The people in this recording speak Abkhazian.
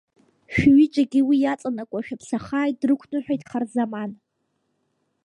Шәҩыџьагьы уи иаҵанакуа шәаԥсахааит, дрықәныҳәеит Харзаман.